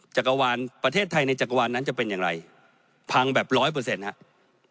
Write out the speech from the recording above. จักรวาลประเทศไทยในจักรวาลนั้นจะเป็นอย่างไรพังแบบร้อยเปอร์เซ็นต์ครับ